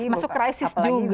masuk crisis juga